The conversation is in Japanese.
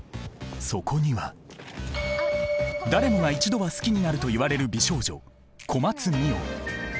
そこには誰もが一度は好きになるといわれる美少女小松澪。